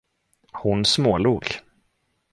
Hon smålog.